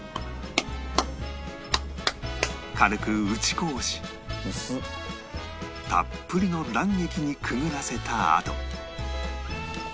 軽く打ち粉をしたっぷりの卵液にくぐらせたあと